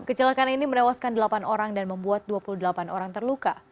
kecelakaan ini menewaskan delapan orang dan membuat dua puluh delapan orang terluka